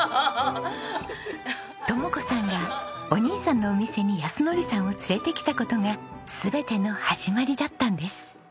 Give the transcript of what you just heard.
知子さんがお兄さんのお店に靖典さんを連れてきた事が全ての始まりだったんです。